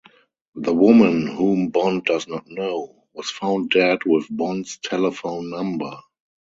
The woman, whom Bond does not know, was found dead with Bond's telephone number.